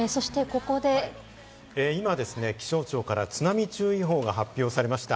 今、気象庁から津波注意報が発表されました。